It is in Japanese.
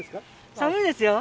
寒いですよ。